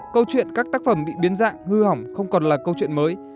câu chuyện các tác phẩm bị biến dạng hư hỏng không còn là câu chuyện mới